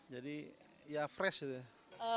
jadi ya fresh gitu ya